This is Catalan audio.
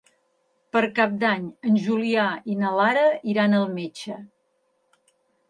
Per Cap d'Any en Julià i na Lara iran al metge.